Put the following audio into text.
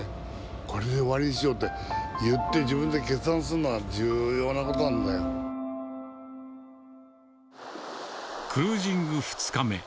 これで終わりにしようっていって、自分で決断するのは重要なことなクルージング２日目。